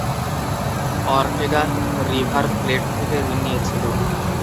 Ortega River Plate থেকে ঋণ নিয়েছিল।